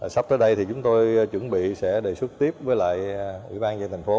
sắp tới đây thì chúng tôi chuẩn bị sẽ đề xuất tiếp với lại ủy ban dân thành phố